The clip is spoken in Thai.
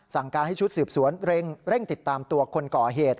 สั่งการให้ชุดสืบสวนเร่งติดตามตัวคนก่อเหตุ